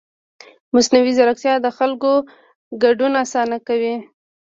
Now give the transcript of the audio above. مصنوعي ځیرکتیا د خلکو ګډون اسانه کوي.